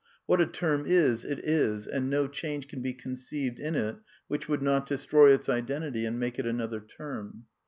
What a term is, it is and no change can be conceived in it which would not destroy its identity and make it another term."